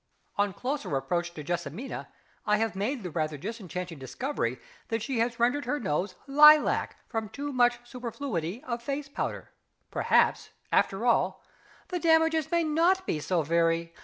On closer approach to JESSIMINA, I have made the rather disenchanting discovery that she has rendered her nose lilac from too much superfluity of face powder. Perhaps, after all, the damages may not be so very....